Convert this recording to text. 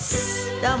どうも。